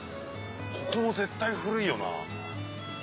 ここも絶対古いよな。